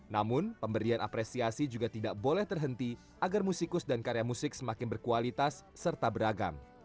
namun pemberian apresiasi juga tidak boleh terhenti agar musikus dan karya musik semakin berkualitas serta beragam